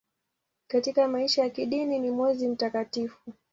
Katika maisha ya kidini ni mwezi mtakatifu.